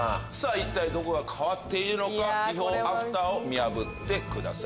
一体どこが変わっているのかビフォーアフターを見破ってください。